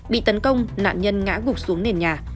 bị tấn công nạn nhân ngã gục xuống nền nhà